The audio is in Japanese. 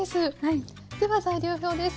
では材料表です。